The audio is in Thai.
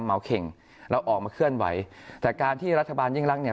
เมาเข่งแล้วออกมาเคลื่อนไหวแต่การที่รัฐบาลยิ่งรักเนี่ย